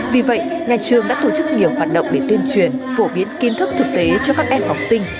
vì vậy nhà trường đã tổ chức nhiều hoạt động để tuyên truyền phổ biến kiến thức thực tế cho các em học sinh